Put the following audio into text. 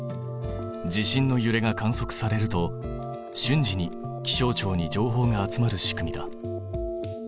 地震のゆれが観測されると瞬時に気象庁に情報が集まる仕組みだ。